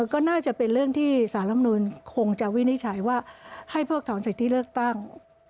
ก็น่าจะเป็นเรื่องที่สารลำนูนคงจะวินิจฉัยว่าให้เพิกถอนสิทธิเลือกตั้ง